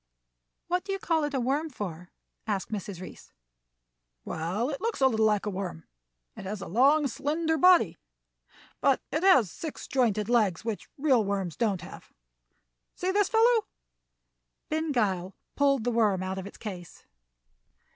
"What do you call it a worm for?" asked Mrs. Reece. "Well, it looks a little like a worm. It has a long, slender body, but it has six jointed legs, which real worms don't have. See this fellow!" Ben Gile pulled the worm out of its case.